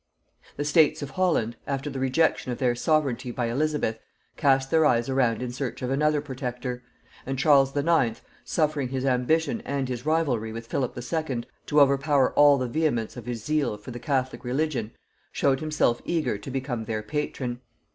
The states of Holland, after the rejection of their sovereignty by Elizabeth, cast their eyes around in search of another protector: and Charles IX., suffering his ambition and his rivalry with Philip II. to overpower all the vehemence of his zeal for the catholic religion, showed himself eager to become their patron.